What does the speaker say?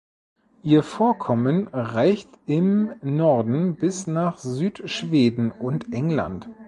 Ihr Vorkommen reicht im Norden bis nach Südschweden und England.